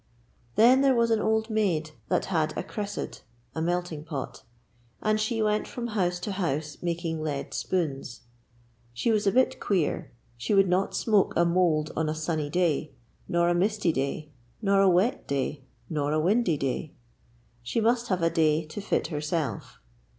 Then there was an old maid that had a cressad (a melting pot), and she went from house to house making lead spoons. She was a bit queer; she would not smoke a mould on a sunny day, nor a misty day, nor a wet day, nor a windy day; she must have a day to fit herself.